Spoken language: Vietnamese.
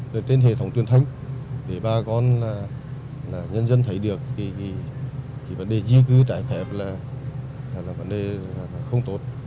để tên hệ thống truyền thông để bà con nhân dân thấy được vấn đề di cư trải phép là vấn đề không tốt